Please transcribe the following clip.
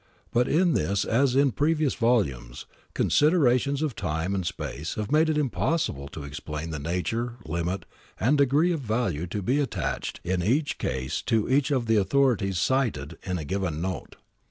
But in this as in previous volumes, considerations of time and space have made it impossible to explain the nature, limit, and degree of the value to be attached in each case to each of the authorities cited in a given note.